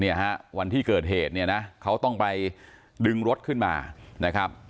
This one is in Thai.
เนี่ยฮะวันที่เกิดเหตุเนี่ยนะเขาต้องไปดึงรถขึ้นมานะครับ